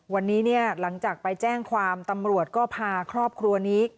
วันนี้เนี่ยหลังจากไปแจ้งความตำรวจก็พาครอบครัวนี้